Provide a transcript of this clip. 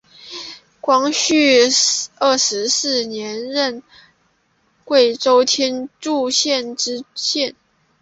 光绪二十四年任贵州天柱县知县。